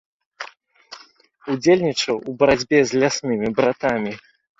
Удзельнічаў у барацьбе з ляснымі братамі.